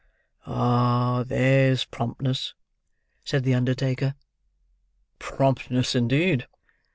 "Ah, there's promptness," said the undertaker. "Promptness, indeed!"